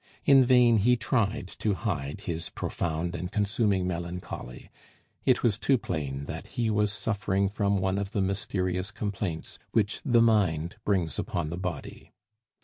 In vain he tried to hide his profound and consuming melancholy; it was too plain that he was suffering from one of the mysterious complaints which the mind brings upon the body.